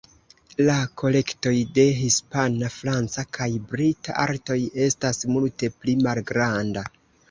La kolektoj de hispana, franca kaj brita artoj estas multe pli malgranda.